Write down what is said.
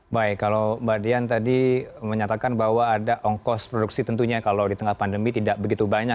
baik kalau mbak dian tadi menyatakan bahwa ada ongkos produksi tentunya kalau di tengah pandemi tidak begitu banyak